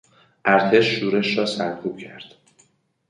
ارتش شورش را سرکوب کرد.